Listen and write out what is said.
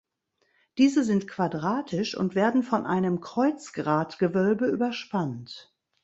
Diese sind quadratisch und werden von einem Kreuzgratgewölbe überspannt.